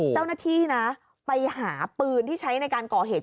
เจ้าหน้าที่นะไปหาปืนที่ใช้ในการก่อเหตุ